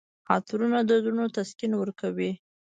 عطرونه د زړونو تسکین ورکوي.